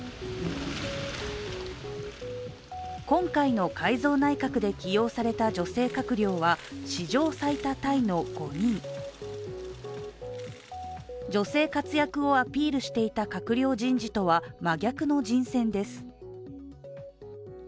今回の改造内閣で起用された女性閣僚は史上最多タイの５人、女性活躍をアピールしていた閣僚人事とは、真逆の人選です。